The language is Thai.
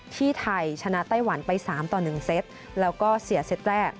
ที่ไทยชนะไต้หวันไป๓ต่อ๑เซตแล้วก็เสียเซตแรก